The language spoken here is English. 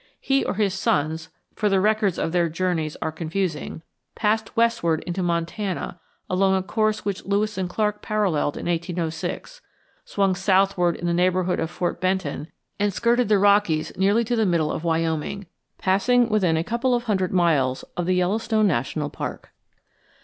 He or his sons, for the records of their journeys are confusing, passed westward into Montana along a course which Lewis and Clark paralleled in 1806, swung southward in the neighborhood of Fort Benton, and skirted the Rockies nearly to the middle of Wyoming, passing within a couple of hundred miles of the Yellowstone National Park.